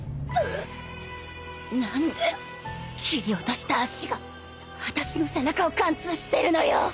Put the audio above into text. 何で切り落とした足があたしの背中を貫通してるのよ